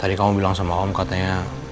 tadi kamu bilang sama om katanya